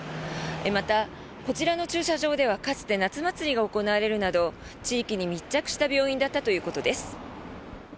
また、こちらの駐車場ではかつて夏祭りが行われるなど地域に密着した病院だったということです。